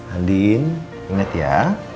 andin inget ya